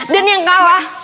dan yang kalah